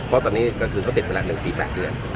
เพราะตอนนี้ก็คือเขาติดไปแล้ว๑ปี๘เดือน